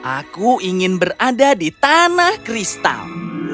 aku ingin berada di tanah kristal